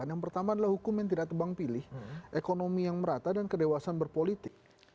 yang pertama adalah hukum yang tidak tebang pilih ekonomi yang merata dan kedewasan berpolitik